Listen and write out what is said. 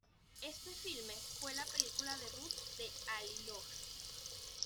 Este filme fue la película debut de Ali Lohan.